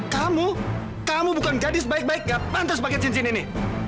kamu kamu bukan gadis baik baik gak pantas pakai cincin ini